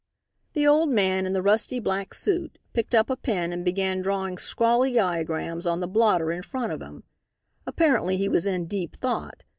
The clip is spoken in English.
The old man, in the rusty black suit, picked up a pen and began drawing scrawly diagrams on the blotter in front of him. Apparently he was in deep thought.